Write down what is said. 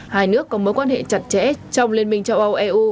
hai nước có mối quan hệ chặt chẽ trong liên minh châu âu eu